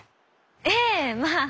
ええまあ。